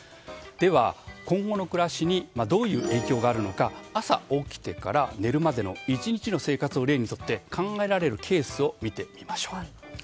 では、今後の暮らしにどういう影響があるのか朝、起きてから寝るまでの１日の生活を例にとって考えられるケースを見てみましょう。